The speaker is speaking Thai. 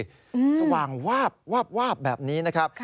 สว่างวาบวาบวาบแบบนี้นะครับ